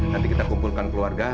nanti kita kumpulkan keluarga